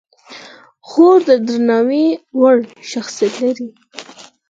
خور د درناوي وړ شخصیت لري.